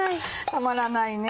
たまらないね。